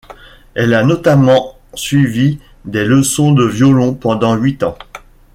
Elle a notamment suivi des leçons de violon pendant huit ans.